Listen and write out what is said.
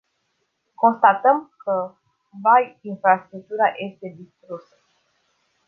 Constatăm că, vai, infrastructura este distrusă.